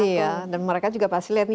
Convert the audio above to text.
iya dan mereka juga pasti lihat nih